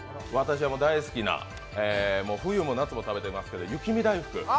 私は大好きな、冬も夏も食べてますけど、雪見だいふく。